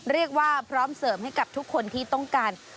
เรียกว่าพร้อมเสริมให้กับทุกคนที่ต้องการ